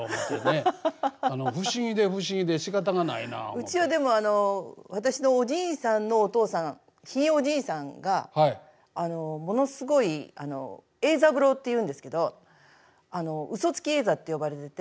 うちはでもあの私のおじいさんのお父さんひいおじいさんがものすごい栄三郎っていうんですけど「ウソつきえいざ」って呼ばれてて。